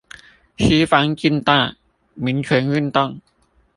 西方近代民權運動